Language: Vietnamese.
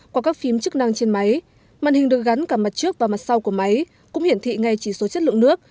qua các phím chức năng trên máy màn hình được gắn cả mặt trước và mặt sau của máy cũng hiển thị ngay chỉ số chất lượng nước